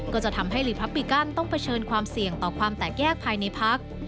ก็จะทำให้ลีพับปิกันต้องเผชิญความเสี่ยงต่อความแตกแยกภายในพัก